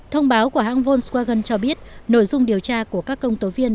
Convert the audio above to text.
thông báo của hãng volkswagen cho biết nội dung điều tra của các công tố viên